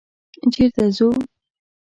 _چېرته ځو؟